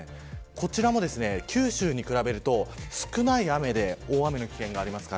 こちらも、九州に比べると少ない雨で大雨の危険があります。